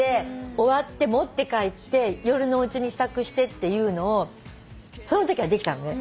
終わって持って帰って夜のうちに支度してっていうのをそのときはできたのね。